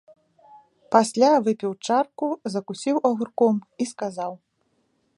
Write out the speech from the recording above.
Пасля выпіў чарку, закусіў агурком і сказаў.